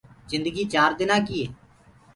جندگي چآر دنآ ڪي هي